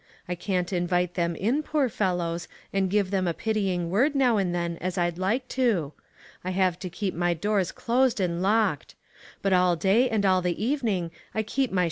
I can't invite them in, poor fellows, and give them a pity ing word now and then as I'd like to. I have to keep my doors closed and locked. But all day and all the evening I keep my HEDGED IN.